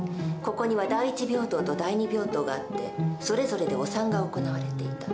ここには第一病棟と第二病棟があってそれぞれでお産が行われていた。